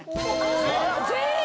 全員！